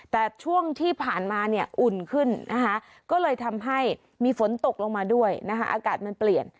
แต่ช่วงที่ผ่านมาเนี่ยอุ่นขึ้นนะคะก็เลยทำให้มีฝนตกลงมาด้วยนะคะอากาศมันเปลี่ยน